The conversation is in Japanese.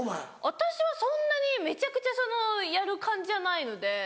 私はそんなにめちゃくちゃやる感じじゃないので。